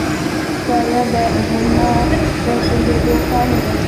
سایه د رڼا د بندېدو پایله ده.